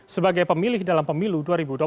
sebagai pemilih dalam pemilu dua ribu dua puluh